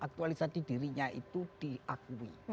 aktualisasi dirinya itu diakui